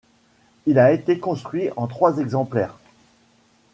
Il a été construit en trois exemplaires.